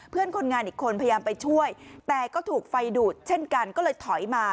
เพื่อนคนงานอีกคนพยายามไปช่วยแต่ก็ถูกไฟดูดเช่นกันก็เลยถอยมา